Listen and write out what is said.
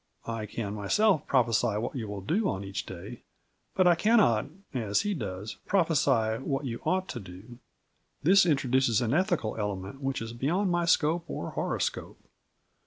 I can myself prophesy what you will do on each day, but I cannot, as he does, prophesy what you ought to do. This introduces an ethical element which is beyond my scope or horoscope.